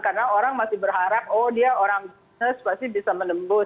karena orang masih berharap oh dia orang jenis pasti bisa menembus